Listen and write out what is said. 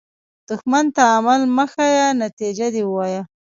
دښمن ته عمل مه ښیه، نتیجه دې ووایه